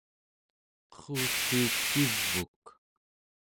qerrulliik kiv'uk